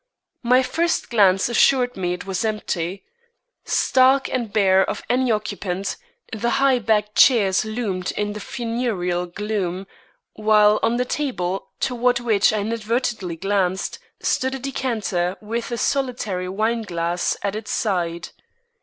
My first glance assured me it was empty. Stark and bare of any occupant, the high backed chairs loomed in the funereal gloom, while on the table, toward which I inadvertently glanced, stood a decanter with a solitary wineglass at its side.